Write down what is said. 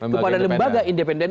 kepada lembaga independen